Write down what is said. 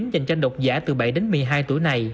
dành cho độc giả từ bảy đến một mươi hai tuổi này